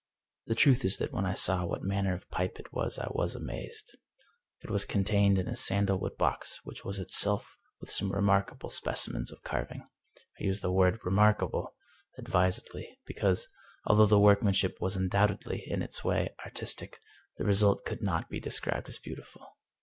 The truth is that when I saw what manner of pipe it was I was amazed. It was contained in a sandalwood box, which was itself illustrated with some remarkable specimens of carving. I use the word " remarkable " advisedly, because, although the workmanship was undoubtedly, in its way, artistic, the re sult could not be described as beautiful.